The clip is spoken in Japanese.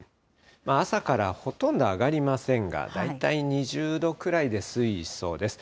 朝からほとんど上がりませんが、大体２０度くらいで推移しそうです。